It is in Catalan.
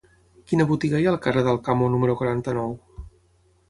Quina botiga hi ha al carrer d'Alcamo número quaranta-nou?